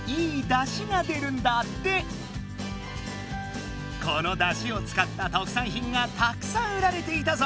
３つ目このだしを使った特産品がたくさん売られていたぞ！